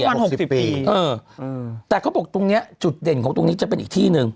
วันหกสิบปีเออแต่เขาบอกตรงเนี้ยจุดเด่นของตรงนี้จะเป็นอีกที่หนึ่ง